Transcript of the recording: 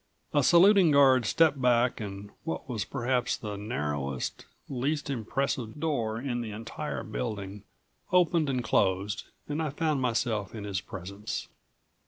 A saluting guard stepped back and what was perhaps the narrowest, least impressive door in the entire building opened and closed and I found myself in his presence.